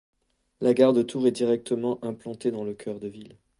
La Gare de Tours est directement implantée dans le cœur de ville.